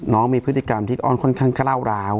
น้องมีพฤติกรรมที่อ้อนค่อนข้างกล้าวร้าว